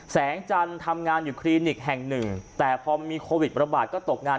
แสงจันทร์ทำงานอยู่คลินิกแห่งหนึ่งแต่พอมีโควิดระบาดก็ตกงาน